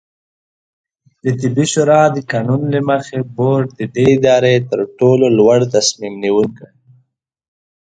دطبي شورا د قانون له مخې، بورډ د دې ادارې ترټولو لوړتصمیم نیونکې